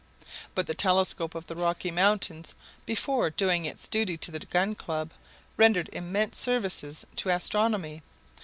But the telescope of the Rocky Mountains, before doing its duty to the Gun Club, rendered immense services to astronomy.